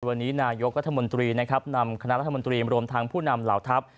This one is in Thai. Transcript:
วันนี้นายกรัฐมนตรีนะครับนำคณะรัฐมนตรีรวมทั้งผู้นำเหล่าทัพ